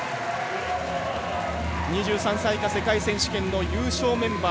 ２３歳以下世界選手権の優勝メンバー。